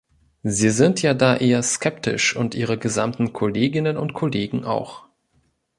Sie sind ja da eher skeptisch und ihre gesamten Kolleginnen und Kollegen auch.